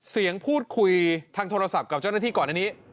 เสียงพูดคุยทางโทรศัพท์กับเจ้าหน้าที่ก่อนอันนี้